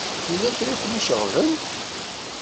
Yella kra i ken-iceɣben?